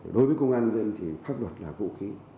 đối với công an nhân dân thì pháp luật là vũ khí